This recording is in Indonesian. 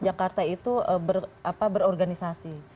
jakarta itu berorganisasi